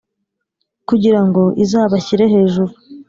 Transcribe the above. Kugira ngo izabashyire hejuru